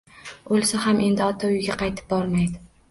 O`lsa ham endi ota uyiga qaytib bormaydi